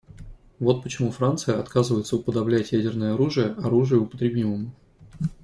Вот почему Франция отказывается уподоблять ядерное оружие оружию употребимому.